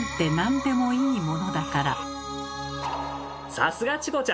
さすがチコちゃん！